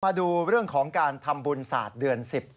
มาดูเรื่องของการทำบุญศาสตร์เดือน๑๐